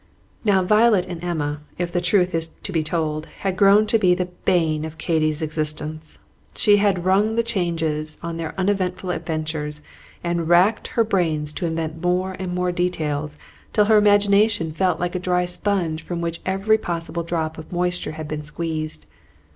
Now, Violet and Emma, if the truth is to be told, had grown to be the bane of Katy's existence. She had rung the changes on their uneventful adventures, and racked her brains to invent more and more details, till her imagination felt like a dry sponge from which every possible drop of moisture had been squeezed.